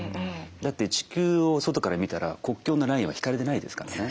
だって地球を外から見たら国境のラインは引かれてないですからね。